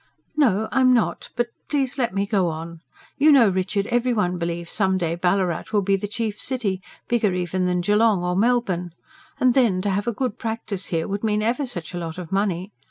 "No, I'm not. But please let me go on. You know, Richard, every one believes some day Ballarat will be the chief city bigger even than Geelong or Melbourne. And then to have a good practice here would mean ever such a lot of money.